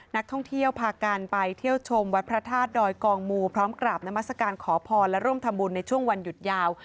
นักท่องเที่ยวพากันไปเที่ยวชมวัดพระธาตุดอยกองมูพร้อมกราบนามัศกาลขอพรและร่วมทำบุญในช่วงวันหยุดยาว